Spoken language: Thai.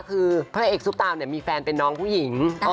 คือพระเอกซุปตาเนี่ยมีแฟนเป็นน้องผู้หญิง